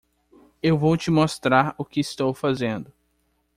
Eu vou te mostrar o que estou fazendo.